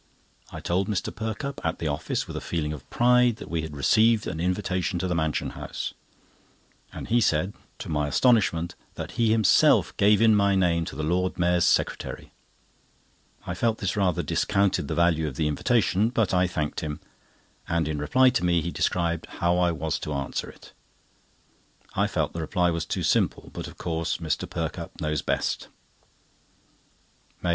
I told Mr. Perkupp, at the office, with a feeling of pride, that we had received an invitation to the Mansion House; and he said, to my astonishment, that he himself gave in my name to the Lord Mayor's secretary. I felt this rather discounted the value of the invitation, but I thanked him; and in reply to me, he described how I was to answer it. I felt the reply was too simple; but of course Mr. Perkupp knows best. MAY 2.